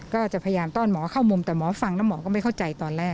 ก็จะพยายามต้อนหมอเข้ามุมแต่หมอฟังแล้วหมอก็ไม่เข้าใจตอนแรก